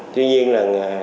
tuy nhiên là